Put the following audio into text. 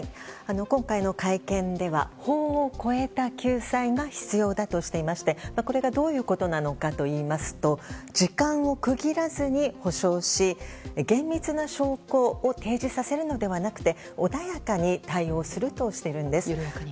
今回の会見では法を超えた救済が必要だとしていまして、これがどういうことなのかといいますと時間を区切らずに補償し厳密な証拠を提示させるのではなくて緩やかに対応するとしているんです。